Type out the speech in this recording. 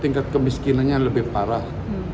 tingkat kemiskinannya lebih parah